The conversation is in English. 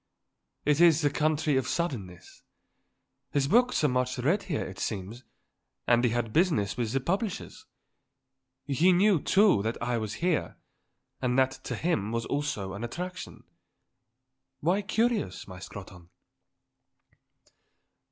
It is the country of suddenness. His books are much read here, it seems, and he had business with his publishers. He knew, too, that I was here; and that to him was also an attraction. Why curious, my Scrotton?"